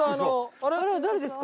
誰ですか？